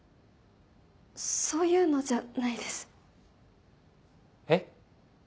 そういうのじゃないです。え？